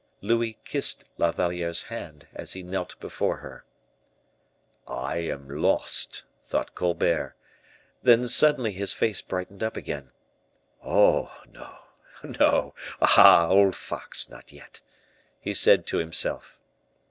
Louis kissed La Valliere's hand, as he knelt before her. "I am lost," thought Colbert; then suddenly his face brightened up again. "Oh! no, no, aha, old fox! not yet," he said to himself.